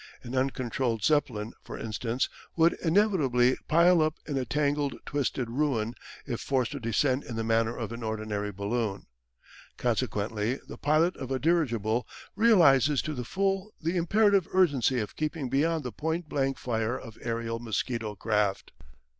An uncontrolled Zeppelin, for instance, would inevitably pile up in a tangled twisted ruin if forced to descend in the manner of an ordinary balloon. Consequently the pilot of a dirigible realises to the full the imperative urgency of keeping beyond the point blank fire of aerial mosquito craft.